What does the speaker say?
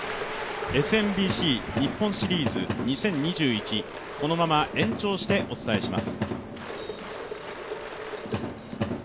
ＳＭＢＣ日本シリーズ２０２１、このまま延長してお伝えします。